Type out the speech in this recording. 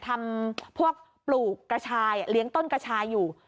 ทำพวกปลูกกระชายเลี้ยงต้นกระชายอยู่